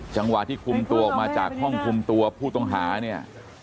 จังหวะที่คุมตัวออกมาจากห้องคุมตัวผู้ต้องหาเนี่ย